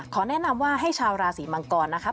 แนะนำว่าให้ชาวราศีมังกรนะครับ